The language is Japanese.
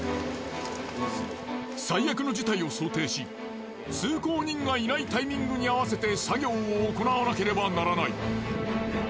最悪の事態を想定し通行人がいないタイミングに合わせて作業を行わなければならない。